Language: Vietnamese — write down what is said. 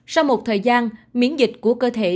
sau một thời gian miễn dịch của cơ thể